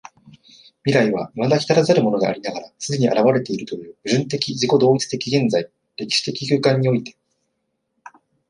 未来は未だ来らざるものでありながら既に現れているという矛盾的自己同一的現在（歴史的空間）において、